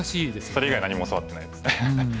それ以外何も教わってないです。